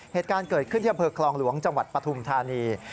เหตุการณ์เกิดขึ้นที่อำเภอคลองหลวงจังหวัดปฐุมธานี